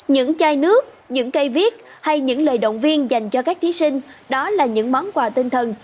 những chai nước những cây viết hay những lời động viên dành cho các thí sinh đó là những món quà tinh thần